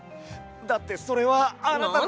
だってそれはあなたの。